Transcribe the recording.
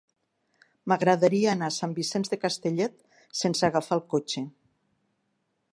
M'agradaria anar a Sant Vicenç de Castellet sense agafar el cotxe.